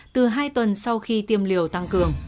từ hai tuần sau khi tiêm liều tăng cường